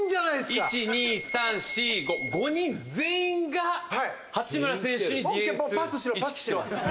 １２３４５５人全員が八村選手にディフェンス意識してます。